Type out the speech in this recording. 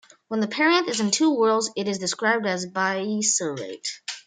When the perianth is in two whorls, it is described as biseriate.